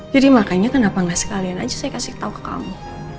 jadi makanya kenapa gak sekalian aja saya kasih tau ke kamu